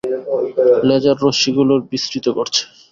Laser রশ্মিগুলোর বিস্তৃতি ঘটছে।